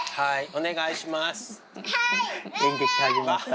はい。